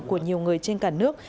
của nhiều người trên cả nước